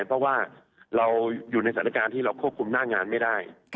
เพราะว่าเราอยู่ในสถานการณ์ที่เราควบคุมหน้างานไม่ได้